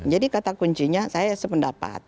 jadi kata kuncinya saya sependapat